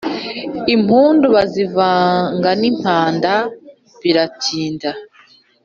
Impundu bazivanga n’impanda biratinda